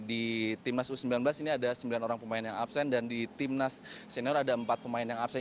di timnas u sembilan belas ini ada sembilan orang pemain yang absen dan di timnas senior ada empat pemain yang absen